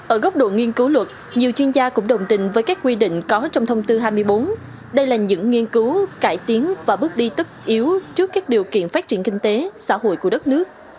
ở góc độ nghiên cứu luật nhiều chuyên gia cũng đồng tình với các quy định có trong thông tư hai mươi bốn đây là những nghiên cứu cải tiến và bước đi tất yếu trước các điều kiện phát triển kinh tế xã hội của đất nước